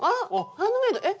ハンドメイドえっ！